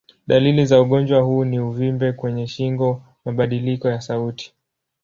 Dalili za ugonjwa huu ni uvimbe kwenye shingo, mabadiliko ya sauti.